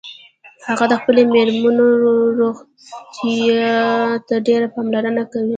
هغه د خپلې میرمنیروغتیا ته ډیره پاملرنه کوي